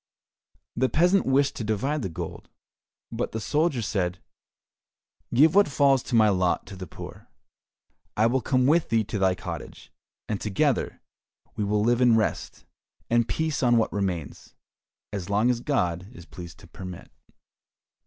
The peasant wished to divide the gold, but the soldier said, "Give what falls to my lot to the poor, I will come with thee to thy cottage, and together we will live in rest and peace on what remains, as long as God is pleased to permit."